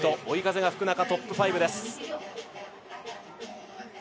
追い風が吹く中トップ５です。